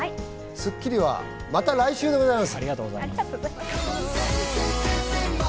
『スッキリ』は、また来週でございます。